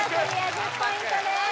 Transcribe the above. １０ポイントです